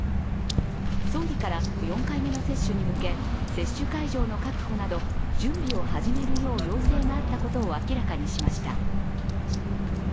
総理から４回目の接種に向け接種会場の確保など準備を始めるよう要請があったことを明らかにしました。